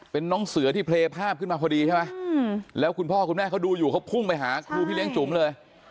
เป็นน้องเสือที่เพลย์ภาพขึ้นมาพอดีใช่ไหมแล้วคุณพ่อคุณแม่เขาดูอยู่เขาพุ่งไปหาครูพี่เลี้ยจุ๋มเลย